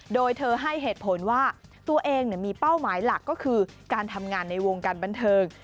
โดยเธอให้เหตุผลว่าตัวเองมีเป้าหมายหลักก็คือการทำงานในวงการบันเทิง